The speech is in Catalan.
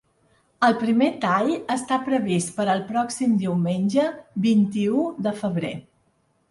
El primer tall està previst per al pròxim diumenge vint-i-u de febrer.